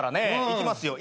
いきますよ。